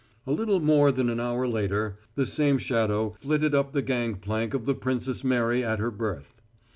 A little more than an hour later, the same shadow flitted up the gangplank of the Princess Mary at her berth.